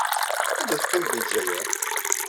Anda ay teqqim deg Lezzayer?